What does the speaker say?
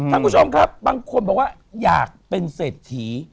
ท่านผู้ชมครับบางคนบอกว่าอยากเป็นเศรษฐี